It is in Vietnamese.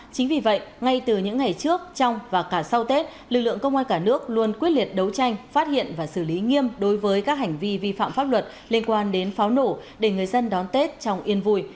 chính vì vậy ngay từ những ngày trước trong và cả sau tết lực lượng công an cả nước luôn quyết liệt đấu tranh phát hiện và xử lý nghiêm đối với các hành vi vi phạm pháp luật liên quan đến pháo nổ để người dân đón tết trong yên vui